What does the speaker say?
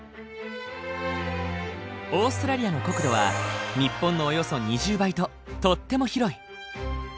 オーストラリアの国土は日本のおよそ２０倍ととっても広い。